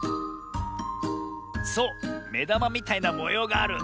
そうめだまみたいなもようがある。